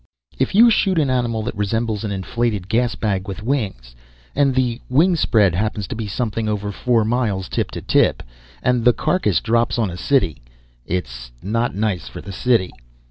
If you shoot an animal that resembles an inflated gas bag with wings, and the wingspread happens to be something over four miles tip to tip, and the carcass drops on a city it's not nice for the city.